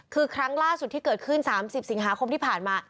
คือครั้งล่าสุดที่เกิดขึ้น๓๐สิงหาคมที่ผ่านมา